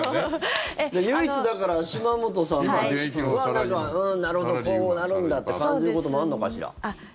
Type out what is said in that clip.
唯一、だから島本さんはなるほど、こうなるんだって感じることもあるのかしら。